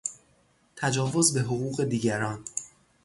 تجاوز به حقوق دیگران